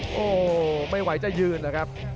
โอ้โหไม่ไหวจะยืนนะครับ